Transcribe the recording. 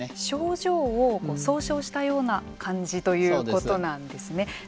症状を総称したような感じということなんですね。